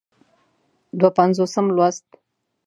دوه پينځوسم لوست